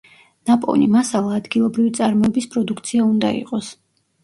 ნაპოვნი მასალა ადგილობრივი წარმოების პროდუქცია უნდა იყოს.